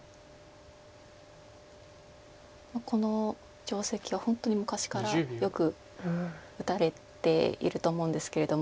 この定石は本当に昔からよく打たれていると思うんですけれども。